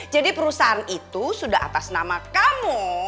jadi perusahaan itu sudah atas nama kamu